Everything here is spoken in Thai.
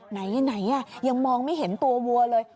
ไหนไหนยังมองไม่เห็นตัววัวเลย